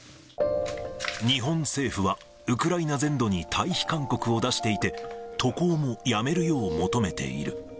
日本政府はウクライナ全土に退避勧告を出していて、渡航もやめるよう求めている。